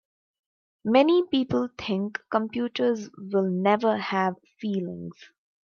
Many people think computers will never have feelings.